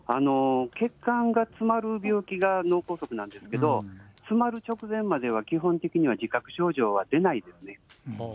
血管が詰まる病気が脳梗塞なんですけど、詰まる直前までは基本的には自覚症状は出ないですね。